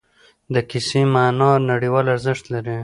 د کیسې معنا نړیوال ارزښت لري.